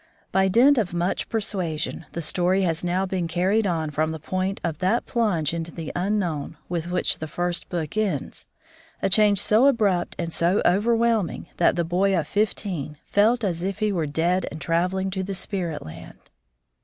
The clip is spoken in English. By dint of much persuasion, the story has now been carried on from the point of that plunge into the unknown with which the first book ends, a change so abrupt and so overwhelming that the boy of fifteen "felt as if he were dead and travelling to the spirit land."